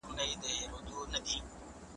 په خپل خیر چي